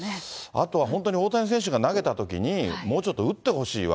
あとは本当に大谷選手が投げたときに、もうちょっと打ってほしいわ。